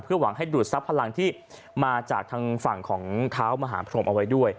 เพื่อหวังให้ดูดซับพลังที่มาจากทางฝั่งของท้าวมหาพรหมเอาไว้ด้วย